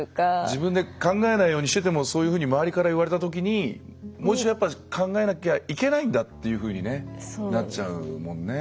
自分で考えないようにしててもそういうふうに周りから言われた時にもう一度やっぱ考えなきゃいけないんだっていうふうになっちゃうもんね。